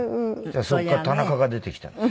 そこから田中が出てきたんですよ。